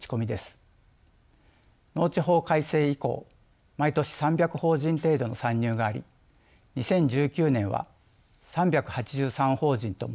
農地法改正以降毎年３００法人程度の参入があり２０１９年は３８３法人と最も多くなっています。